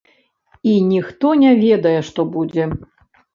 І ніхто не ведае, што будзе.